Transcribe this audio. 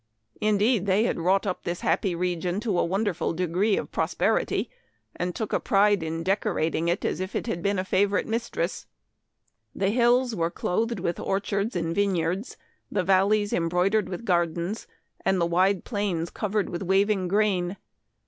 Indeed they had wrought up this happy region to a wonderful degree of pros perity, and took a pride in decorating it as if it had been a favorite mistress. The hills were Memoir of Washington Irving. 179 clothed with orchards and vineyards, the valleys embroidered with gardens, and the wide plains covered with waving grain.